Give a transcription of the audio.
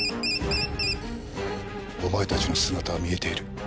「お前たちの姿は見えている」